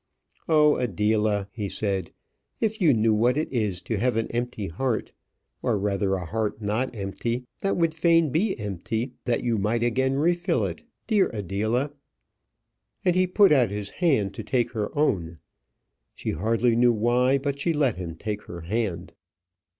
"Oh! Adela," he said, "if you knew what it is to have an empty heart or rather a heart not empty that would fain be empty that you might again refill it. Dear Adela!" And he put out his hand to take her own. She hardly knew why, but she let him take her hand.